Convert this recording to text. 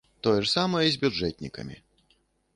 Тое ж самае з бюджэтнікамі.